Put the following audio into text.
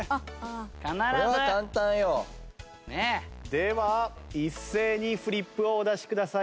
では一斉にフリップをお出しください。